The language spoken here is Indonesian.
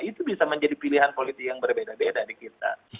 itu bisa menjadi pilihan politik yang berbeda beda di kita